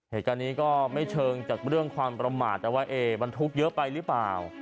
เหตุการณ์นี้ก็ไม่เชิงจากเรื่องความประมาทแต่ว่าบรรทุกเยอะไปหรือเปล่า